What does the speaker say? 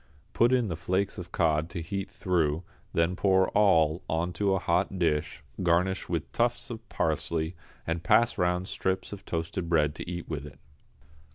Put in the flakes of cod to heat through, then pour all on to a hot dish, garnish with tufts of parsley, and pass round strips of toasted bread to eat with it.